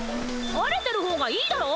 晴れてる方がいいだろ！